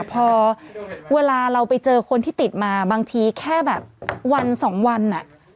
พอเวลาเราไปเจอคนที่ติดมาบางทีแค่แบบวันสองวันอ่ะ